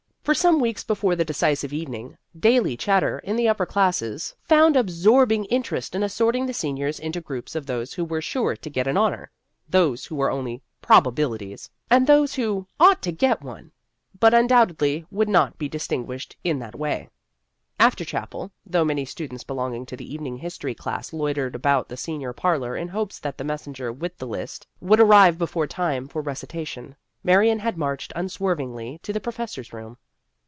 For some weeks before the decisive evening, daily chatter in the upper classes found absorb ioo Vassar Studies ing interest in assorting the seniors into groups of those who were " sure to get an honor," those who were only " probabili ties," and those who "ought to get one," but undoubtedly would not be distin guished in that way. After Chapel, though many students belonging to the evening history class loitered about the senior parlor in hopes that the messenger with the list would arrive before time for recitation, Marion had marched unswervingly to the professor's room.